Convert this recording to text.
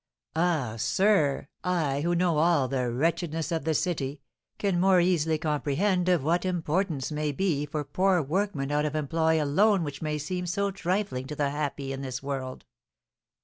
"Ah, sir, I, who know all the wretchedness of the city, can more easily comprehend of what importance may be for poor workmen out of employ a loan which may seem so trifling to the happy in this world!